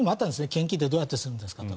献金ってどうやってするんですかと。